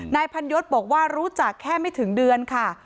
นายพันยศบอกว่ารู้จักแค่ไม่ถึงเดือนค่ะ